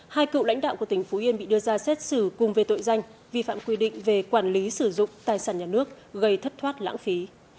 hai cựu lãnh đạo của tỉnh phú yên bị đưa ra xét xử cùng về tội danh vi phạm quy định về quản lý sử dụng tài sản nhà nước gây thất thoát lãng phí